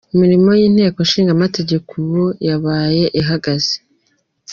Imirimo y'inteko ishingamategeko ubu yabaye ihagaze.